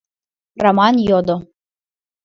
— Раман йодо.